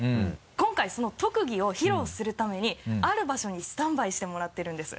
今回その特技を披露するためにある場所にスタンバイしてもらっているんです。